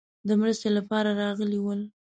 د مرستې لپاره راغلي ول.